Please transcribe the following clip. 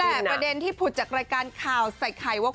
แต่ประเด็นที่ผุดจากรายการข่าวใส่ไข่ว่า